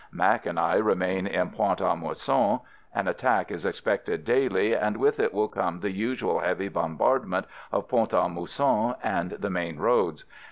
"Mac" and I remain in Pont a Mousson. An attack is expected daily and with it will come the usual heavy bombardment of Pont a Mousson and the main roads.